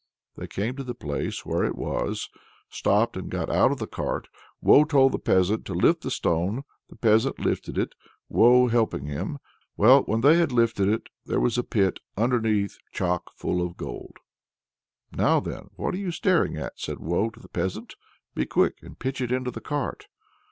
They came to the place where it was, stopped, and got out of the cart. Woe told the peasant to lift the stone; the peasant lifted it, Woe helping him. Well, when they had lifted it there was a pit underneath chock full of gold. "Now then, what are you staring at!" said Woe to the peasant, "be quick and pitch it into the cart."